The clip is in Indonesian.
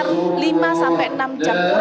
jadi ini juga bisa diberikan pelaksanaan berikutnya